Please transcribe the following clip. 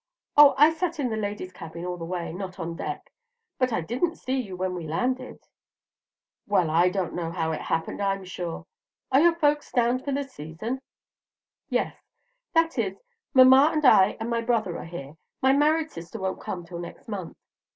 "Oh, I sat in the ladies' cabin all the way, not on deck. But I didn't see you when we landed." "Well, I don't know how it happened, I'm sure. Are your folks down for the season?" "Yes: that is, mamma and I and my brother are here; my married sister won't come till next month."